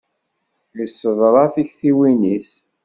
Yesseḍra tiktiwin-is.